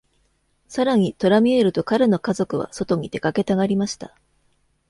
さらに、トラミエルと彼の家族は外に出かけたがりました。